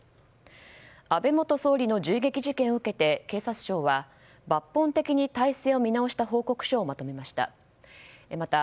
安倍元総理の銃撃事件を受けて警察庁は抜本的に体制を見直した報告書を提出しました。